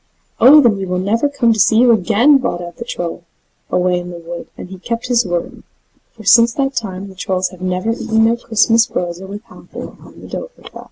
"Oh, then, we'll never come to see you again," bawled out the Troll away in the wood, and he kept his word; for since that time the Trolls have never eaten their Christmas brose with Halvor on the Dovrefell.